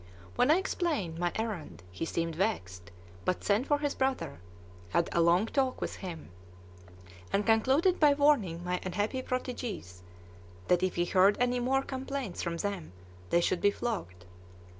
When I explained my errand he seemed vexed, but sent for his brother, had a long talk with him, and concluded by warning my unhappy protégés that if he heard any more complaints from them they should be flogged.